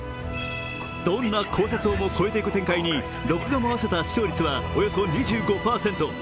どんな考察をも越えていく展開に録画も合わせた視聴率はおよそ２５％。